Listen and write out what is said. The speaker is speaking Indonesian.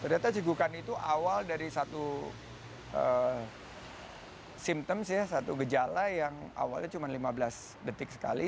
data cegukan itu awal dari satu simptoms ya satu gejala yang awalnya cuma lima belas detik sekali